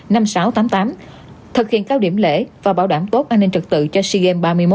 năm sáu tám tám thực hiện cao điểm lễ và bảo đảm tốt an ninh trật tự cho sigem ba mươi một